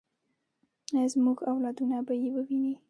آیا زموږ اولادونه به یې وویني؟